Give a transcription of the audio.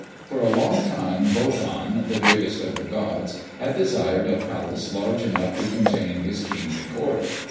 For a long time Wotan, the greatest of the gods, had desired a palace large enough to contain his kingly court.